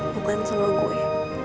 bukan semua gue